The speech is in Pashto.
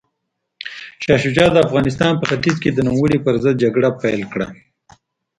شاه شجاع د افغانستان په ختیځ کې د نوموړي پر ضد جګړه پیل کړه.